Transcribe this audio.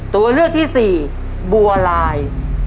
ตัวเลือกที่สี่บัวลาย